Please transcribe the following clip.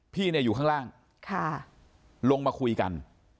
พี่เนี่ยอยู่ข้างล่างลงมาคุยกัน